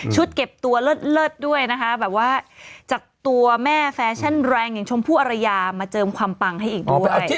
เก็บตัวเลิศด้วยนะคะแบบว่าจากตัวแม่แฟชั่นแรงอย่างชมพู่อรยามาเจิมความปังให้อีกด้วย